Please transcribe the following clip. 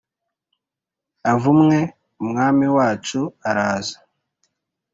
avumwe Umwami wacu araza